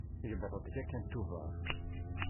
Yewweḍ-d yakan Tubeṛ.